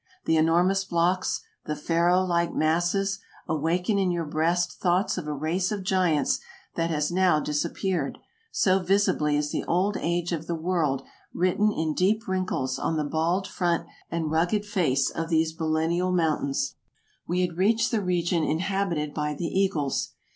The enormous blocks, the Pharaoh like masses, awaken in your breast thoughts of a race of giants that has how disappeared, so visibly is the old age of the world written in deep wrinkles on the bald front and rugged face of these millennial moun tains. EUROPE 191 We had reached the region inhabited by the eagles.